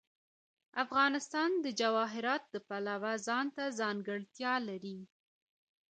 افغانستان د جواهرات د پلوه ځانته ځانګړتیا لري.